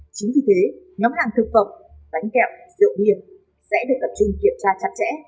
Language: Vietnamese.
chính vì thế nhóm hàng thực phẩm đánh kẹo rượu miệng sẽ được tập trung kiểm tra chặt chẽ